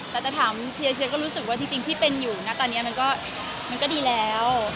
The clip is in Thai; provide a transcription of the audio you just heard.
แต่จะถามเชียร์เชียร์ก็รู้สึกว่าจริงที่เป็นอยู่นะตอนนี้มันก็ดีแล้ว